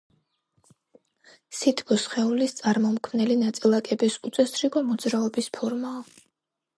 სითბო სხეულის წარმომქნელი ნაწილაკების უწესრიგო მოძრაობის ფორმაა.